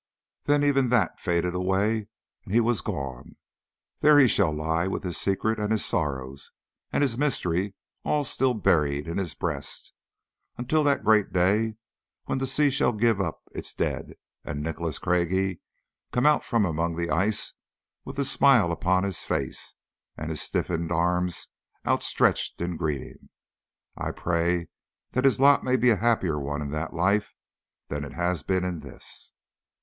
Then even that faded away, and he was gone. There he shall lie, with his secret and his sorrows and his mystery all still buried in his breast, until that great day when the sea shall give up its dead, and Nicholas Craigie come out from among the ice with the smile upon his face, and his stiffened arms outstretched in greeting. I pray that his lot may be a happier one in that life than it has been in this.